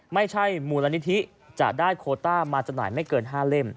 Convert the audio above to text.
ไม่ใช่มูลนิธิจะได้โคต้ามาจำหน่ายไม่เกิน๕เล่ม